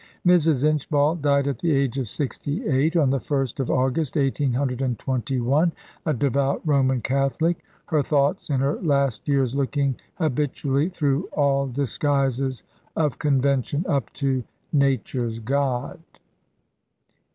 Mrs. Inchbald died at the age of sixty eight, on the 1st of August, 1821, a devout Roman Catholic, her thoughts in her last years looking habitually through all disguises of convention up to Nature's God.